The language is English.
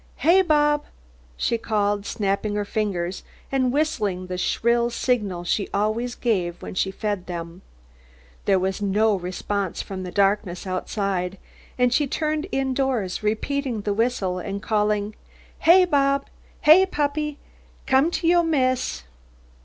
"Heah, Bob!" she called, snapping her fingers, and whistling the shrill signal she always gave when she fed them. There was no response from the darkness outside, and she turned indoors repeating the whistle, and calling, "Heah, Bob! Heah, puppy! Come to yo' miss!"